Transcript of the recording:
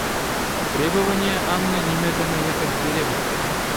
Требование Анны немедленно ехать в деревню.